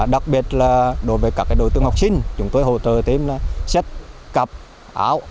đặc biệt là đối với các đối tượng học sinh chúng tôi hỗ trợ thêm chất cặp áo